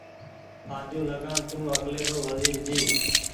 آجوٚنٚ لگآن تونٚ اڪلي رو وزير جي